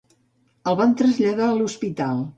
El van traslladar a l'hospital.